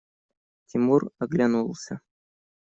Тимур оглянулся.